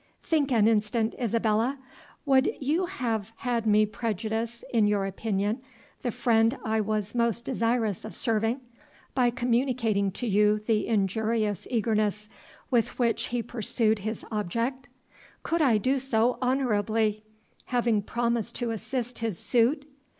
"Think an instant, Isabella. Would you have had me prejudice in your opinion the friend I was most desirous of serving, by communicating to you the injurious eagerness with which he pursued his object? Could I do so honourably, having promised to assist his suit?